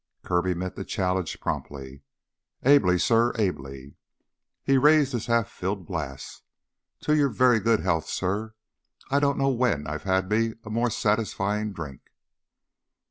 Kirby met the challenge promptly. "Ably, suh, ably!" He raised his half filled glass. "To your very good health, suh. I don't know when I've had me a more satisfyin' drink!"